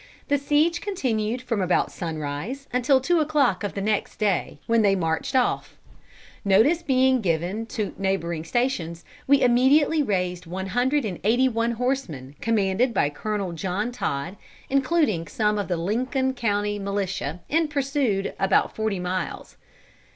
The siege continued from about sunrise until two o'clock of the next day, when they marched off. Notice being given to the neighboring stations, we immediately raised one hundred and eighty one horsemen, commanded by Col. John Todd, including some of the Lincoln County militia, and pursued about forty miles."